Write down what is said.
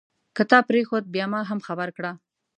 که تا پرېښود بیا ما هم خبر کړه.